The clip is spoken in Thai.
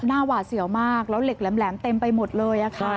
หวาดเสียวมากแล้วเหล็กแหลมเต็มไปหมดเลยค่ะ